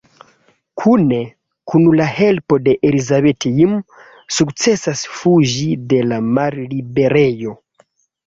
Kune kun la helpo de Elisabeth, Jim sukcesas fuĝi de la malliberejo.